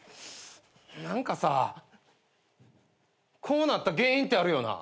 こうなった原因ってあるよな。